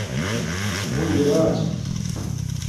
اُو اِرا چھس